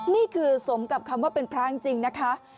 นี่คือสมกับคำว่าเป็นพระจริงนะคะ